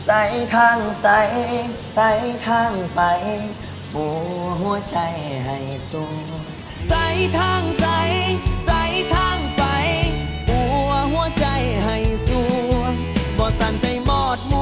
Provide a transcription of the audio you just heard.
อันนี้เป็นเสียงอ้อนเป็นเสียงไอยี่ครับผม